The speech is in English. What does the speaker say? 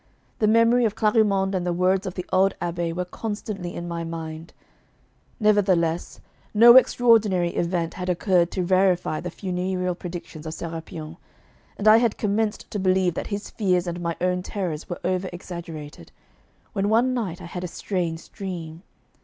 The memory of Clarimonde and the words of the old Abbé were constantly in my mind; nevertheless no extraordinary event had occurred to verify the funereal predictions of Sérapion, and I had commenced to believe that his fears and my own terrors were over exaggerated, when one night I had a strange dream.